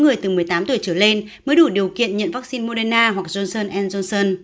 người từ một mươi tám tuổi trở lên mới đủ điều kiện nhận vắc xin moderna hoặc johnson johnson